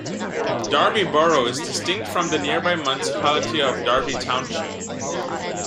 Darby Borough is distinct from the nearby municipality of Darby Township.